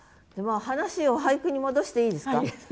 話を俳句に戻していいですか？